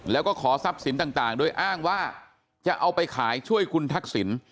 แล้วก็ขอทรัพย์สินต่างโดยอ้างว่าจะเอาไปขายช่วยคุณทักษิณ